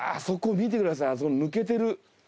そこ見てくださいあそこ抜けてる。